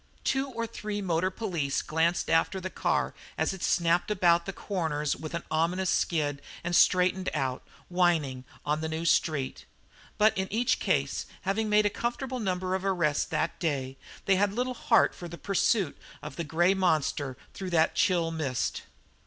Two or three motor police glanced after the car as it snapped about corners with an ominous skid and straightened out, whining, on the new street; but in each case, having made a comfortable number of arrests that day, they had little heart for the pursuit of the grey monster through that chill mist.